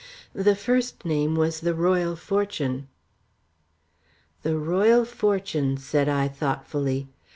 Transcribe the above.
The first name was the Royal Fortune." "The Royal Fortune," said I, thoughtfully.